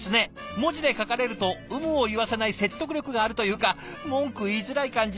文字で書かれると有無を言わせない説得力があるというか文句言いづらい感じで。